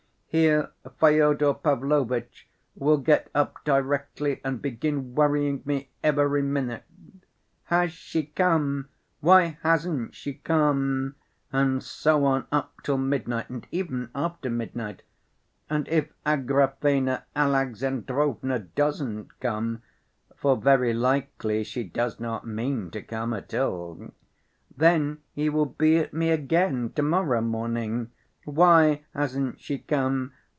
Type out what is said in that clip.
Here Fyodor Pavlovitch will get up directly and begin worrying me every minute, 'Has she come? Why hasn't she come?' and so on up till midnight and even after midnight. And if Agrafena Alexandrovna doesn't come (for very likely she does not mean to come at all) then he will be at me again to‐morrow morning, 'Why hasn't she come?